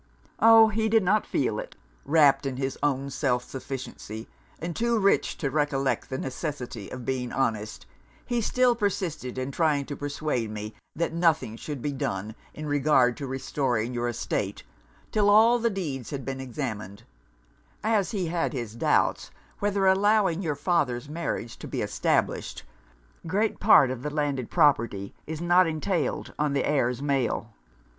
'Oh! he did not feel it. Wrapped in his own self sufficiency, and too rich to recollect the necessity of being honest, he still persisted in trying to persuade me that nothing should be done in regard to restoring your estate 'till all the deeds had been examined; as he had his doubts whether, allowing your father's marriage to be established, great part of the landed property is not entailed on the heirs male.